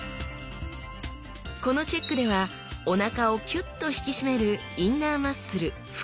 このチェックではおなかをキュッと引き締めるインナーマッスル腹